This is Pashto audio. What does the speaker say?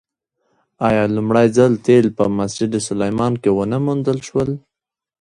آیا لومړی ځل تیل په مسجد سلیمان کې ونه موندل شول؟